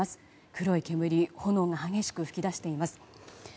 黒い煙炎が激しく噴き出しています。